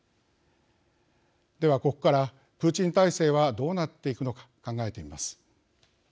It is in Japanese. では、ここからプーチン体制はどうなっていくのか考えてみます。